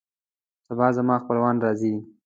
سبا زما خپلوان راځي